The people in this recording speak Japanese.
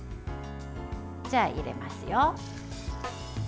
じゃあ、入れますよ。